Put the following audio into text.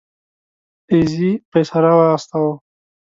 اېزي پيسه راواستوه.